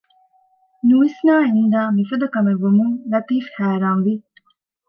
ނުވިސްނައި އިންދާ މިފަދަ ކަމެއްވުމުން ލަތީފް ހައިރާންވި